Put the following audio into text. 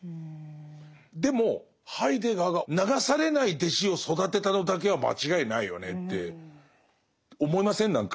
でもハイデガーが流されない弟子を育てたのだけは間違いないよねって思いません？